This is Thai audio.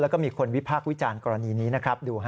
แล้วก็มีคนวิพากษ์วิจารณ์กรณีนี้นะครับดูฮะ